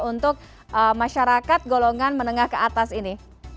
untuk masyarakat golongan menengah ke atas ini